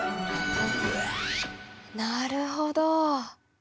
なるほど。